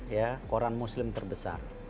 ya koran muslim terbesar